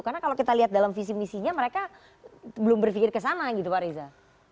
karena kalau kita lihat dalam visi misinya mereka belum berpikir ke sana gitu pak reza